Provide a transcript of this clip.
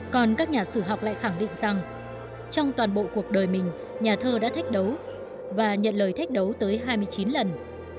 còn các nhà sử học lại khẳng định rằng trong toàn bộ cuộc đời mình nhà thơ đã thách đấu và nhận lời thách đấu tới hai mươi chín lần